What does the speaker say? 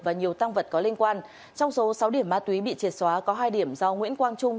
và nhiều tăng vật có liên quan trong số sáu điểm ma túy bị triệt xóa có hai điểm do nguyễn quang trung